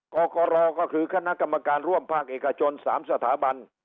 กรกรก็คือคณะกรรมการร่วมภาคเอกชน๓สถาบัน